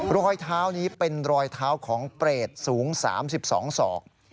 รอยเท้านี้เป็นรอยเท้าของเปรตสูง๓๒ศอก